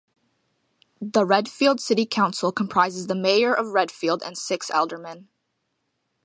The Redfield City Council comprises the Mayor of Redfield and six aldermen.